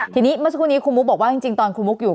ทีนี้เมื่อสักครู่นี้ครูมุกบอกว่าจริงตอนครูมุกอยู่